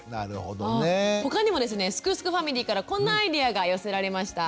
他にもですねすくすくファミリーからこんなアイデアが寄せられました。